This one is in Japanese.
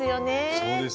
そうです